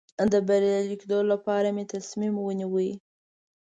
د بریالي کېدو لپاره مې تصمیم ونیو.